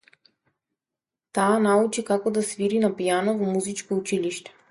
Таа научи како да свири на пијано во музичко училиште.